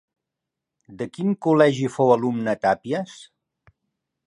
De quin col·legi fou alumne Tàpies?